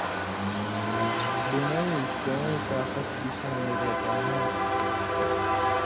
دنَیں کوَیں طاقت بِڅاں نی رٹاہاں تھی۔